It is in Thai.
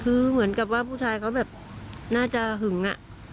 คือเหมือนกับว่าผู้ชายเขาแบบน่าจะหึงอ่ะ